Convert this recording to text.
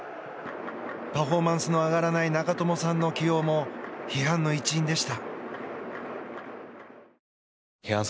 パフォーマンスの上がらない長友さんの起用も批判の一因でした。